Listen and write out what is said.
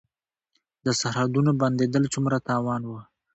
د سرحدونو بندیدل څومره تاوان و؟